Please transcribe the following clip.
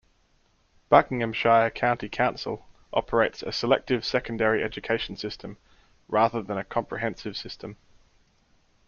Buckinghamshire County Council operates a selective secondary education system, rather than a comprehensive system.